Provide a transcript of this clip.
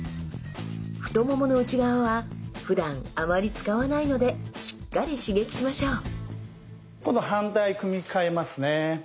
太ももの内側はふだんあまり使わないのでしっかり刺激しましょう今度反対組み替えますね。